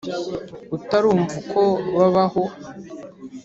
utarumva uko babaho,